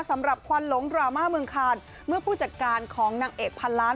ควันหลงดราม่าเมืองคานเมื่อผู้จัดการของนางเอกพันล้าน